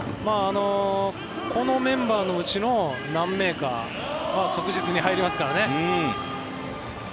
このメンバーのうちの何名かは確実に入りますからね。